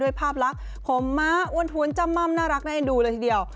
ด้วยภาพลักษณ์ของม้าอ้วนหุนจำม่ำน่ารักได้ดูเลยทีเดียว